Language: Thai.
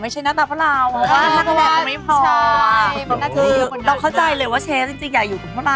ไม่ใช่หน้าตาพ่อเราอะถ้าคะแนนก็ไม่พออะ